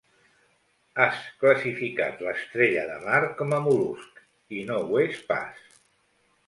Has classificat l'estrella de mar com a mol·lusc, i no ho és pas.